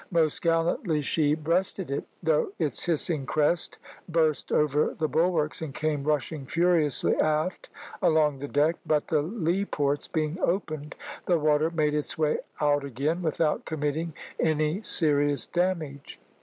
Most gallantly she breasted it, though its hissing crest burst over the bulwarks, and came rushing furiously aft along the deck, but the lee ports being opened, the water made its way out again, without committing any serious damage.